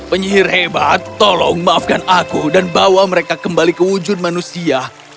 penyihir hebat tolong maafkan aku dan bawa mereka kembali ke wujud manusia